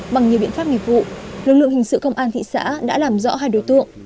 bằng nhiều biện pháp nghiệp vụ lực lượng hình sự công an thị xã đã làm rõ hai đối tượng